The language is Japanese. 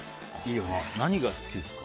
何が好きですか？